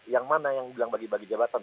yang mana yang bilang bagi bagi jabatan